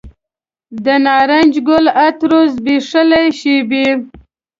د نارنج ګل عطرو زبیښلې شیبې